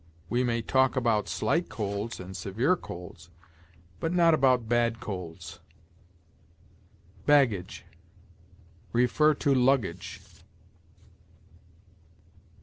We may talk about slight colds and severe colds, but not about bad colds. BAGGAGE. See LUGGAGE.